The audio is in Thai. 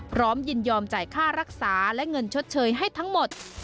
ยินยอมจ่ายค่ารักษาและเงินชดเชยให้ทั้งหมด